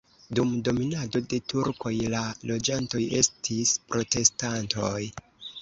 Dum dominado de turkoj la loĝantoj estis protestantoj.